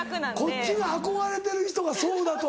こっちが憧れてる人がそうだと。